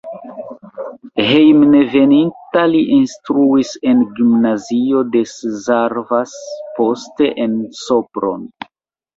Hejmenveninta li instruis en gimnazio de Szarvas, poste en Sopron.